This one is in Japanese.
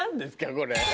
これ。